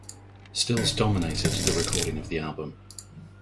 Stills dominated the recording of the album.